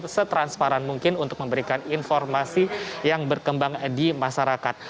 setransparan mungkin untuk memberikan informasi yang berkembang di masyarakat